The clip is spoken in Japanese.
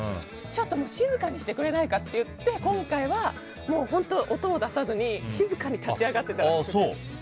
ちょっと静かにしてくれないかと言って今回は本当、音を出さずに静かに立ち上がってたらしくて。